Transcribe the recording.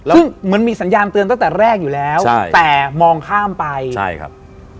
ซึ่งเหมือนมีสัญญาณเตือนตั้งแต่แรกอยู่แล้วใช่แต่มองข้ามไปใช่ครับ